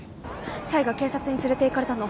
サイが警察に連れていかれたの。